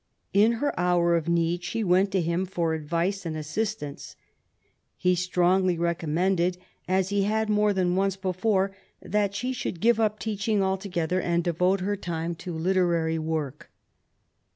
In her hour of need she went to him for advice and assistance. He strongly recommended^ as he had more than once before^ that she should give up teaching altogether^ and devote her time to literary work.